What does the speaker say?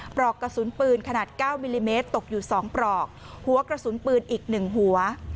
ปลอกกระสุนปืนขนาด๙มิลลิเมตรตกอยู่๒ปลอกหัวกระสุนปืนอีก๑หัว